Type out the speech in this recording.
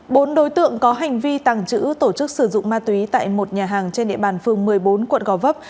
bốn đối tượng có hành vi tàng trữ tổ chức sử dụng ma túy tại một nhà hàng trên địa bàn phường một mươi bốn quận gò vấp